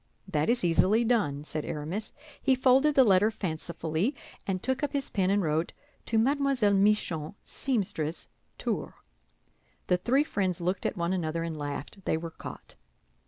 "That is easily done," said Aramis. He folded the letter fancifully, and took up his pen and wrote: "To Mlle. Michon, seamstress, Tours." The three friends looked at one another and laughed; they were caught.